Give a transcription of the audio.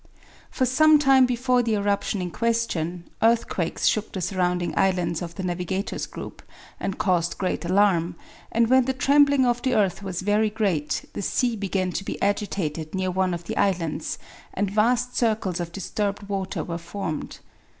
For some time before the eruption in question, earthquakes shook the surrounding islands of the Navigator's Group, and caused great alarm, and when the trembling of the earth was very great, the sea began to be agitated near one of the islands, and vast circles of disturbed water were formed.